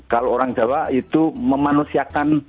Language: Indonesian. kalau orang jawa itu memanusiakan